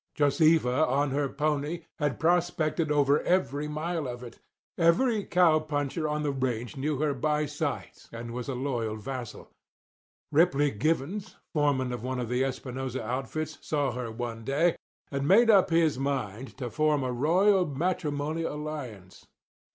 Josefa, on her pony, had prospected over every mile of it. Every cow puncher on the range knew her by sight and was a loyal vassal. Ripley Givens, foreman of one of the Espinosa outfits, saw her one day, and made up his mind to form a royal matrimonial alliance.